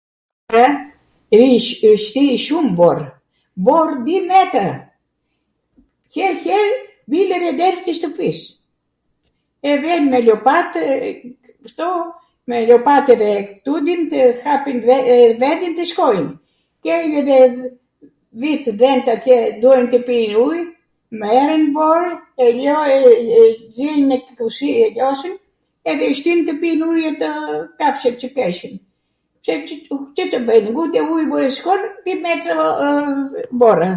...ish, shtij shum bor, borw di metra, her her vinte nw derw tw shtwpis, e vem me ljopatw kto, me ljopatw hapim vendin tw shkojm, kejnw edhe dhitw dhent atje, duan tw pijn uj, merwn bor, e zijnw nw kusi e ljiosim, edhe i shtijm tw pijn uj kafshwt qw keshim, Cw tw bwjn, ute ujw shkon, di metro borw.